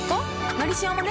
「のりしお」もね